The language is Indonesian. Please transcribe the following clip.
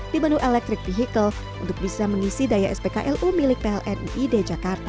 di menu electric vehicle untuk bisa mengisi daya spklu milik pln id jakarta